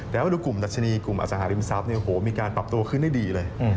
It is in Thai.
แต่ว่าดูกลุ่มดัชนีกลุ่มอสหาริมทรัพย์มีการปรับตัวขึ้นได้ดีเลย